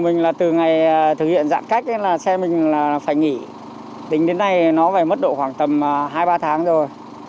nó phải mất độ khoảng tầm hai ba tháng rồi